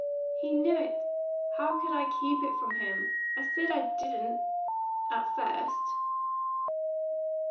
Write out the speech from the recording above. "He knew it! How could I keep it from him? I said I didn't at first!"